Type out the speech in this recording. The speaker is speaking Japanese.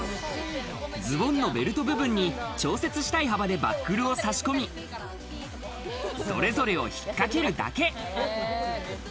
ズボンのベルト部分に調節したい幅でバックルを差し込み、それぞれを引っかけるだけ。